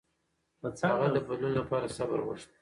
هغه د بدلون لپاره صبر غوښت.